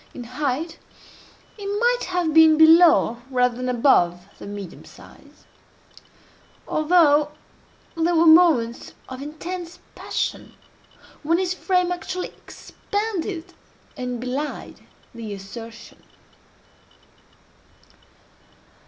In height he might have been below rather than above the medium size: although there were moments of intense passion when his frame actually expanded and belied the assertion.